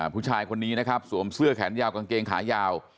ผู้ชายคนนี้นะครับสวมเสื้อแขนยาวกางเกงขายาว